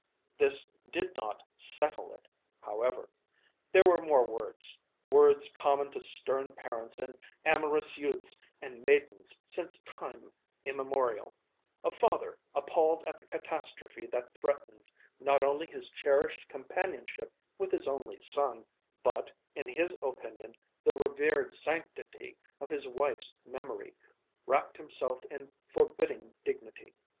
This did not "settle it," however. There were more words words common to stern parents and amorous youths and maidens since time immemorial. A father, appalled at the catastrophe that threatened, not only his cherished companionship with his only son, but, in his opinion, the revered sanctity of his wife's memory, wrapped himself in forbidding dignity.